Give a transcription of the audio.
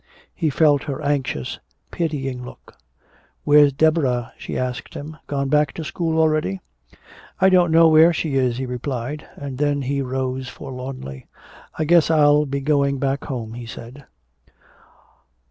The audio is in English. He felt her anxious, pitying look. "Where's Deborah?" she asked him. "Gone back to school already?" "I don't know where she is," he replied. And then he rose forlornly. "I guess I'll be going back home," he said.